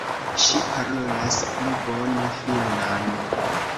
Ŝi parolas plu bone finnan.